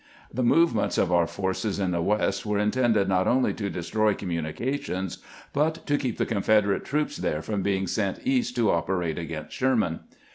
The movements of our forces in the West were intended not only to destroy commu nications, but to keep the Confederate troops there from being sent East to operate against Sherman.